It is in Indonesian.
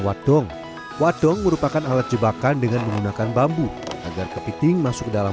wadong wadong merupakan alat jebakan dengan menggunakan bambu agar ke piting masuk dalam